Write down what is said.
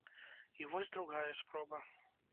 І вось другая спроба.